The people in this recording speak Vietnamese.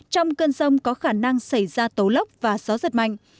trong cơn rông có khả năng xảy ra tố lốc và gió giật mạnh